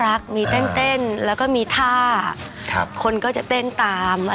ฮักมากหน่อยเขาเรียกว่าฮักแจงแปง